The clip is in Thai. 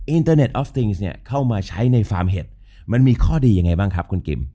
อินเตอร์เน็ตออฟติงซเนี่ยเข้ามาใช้ในฟาร์มเห็ดมันมีข้อดียังไงบ้างครับคุณกิม